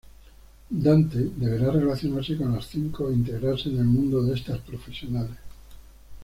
Dante deberá relacionarse con las cinco e integrarse en el mundo de estas profesionales.